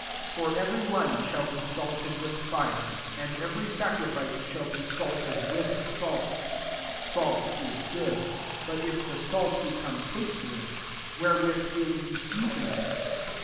49 " For every one shall be salted with fire, and every sacrifice «hall be salt ed with salt. 50 Salt /« good: but if the salt become tasteless, wherewith will ye season it?